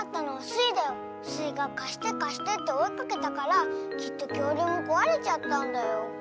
スイが「かしてかして」っておいかけたからきっときょうりゅうもこわれちゃったんだよ。